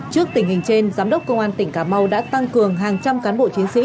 trước tình hình trên giám đốc công an tỉnh cà mau đã tăng cường hàng trăm cán bộ chiến sĩ